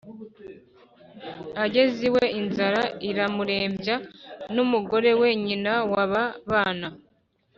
Ageze iwe inzara iramurembya n’umugore we nyina wa ba bana